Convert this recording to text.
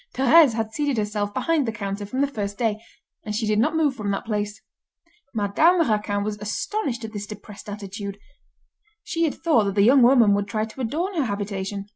Thérèse had seated herself behind the counter from the first day, and she did not move from that place. Madame Raquin was astonished at this depressed attitude. She had thought that the young woman would try to adorn her habitation.